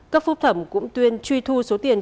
các phúc thẩm cũng tuyên truy thu số tiền